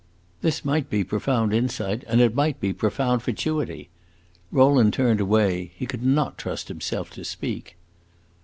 This might be profound insight, and it might be profound fatuity. Rowland turned away; he could not trust himself to speak.